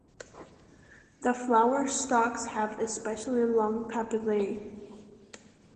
The flower stalks have especially long papillae.